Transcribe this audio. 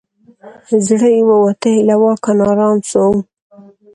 زړه یې ووتی له واکه نا آرام سو